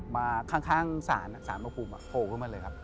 มาข้างศาลศาลพระภูมิโผล่ขึ้นมาเลยครับ